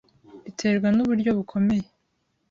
Biterwa nuburyo bukomeye.